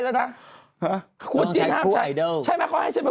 สมบัติคิดตั้งนานแล้วนะแหละ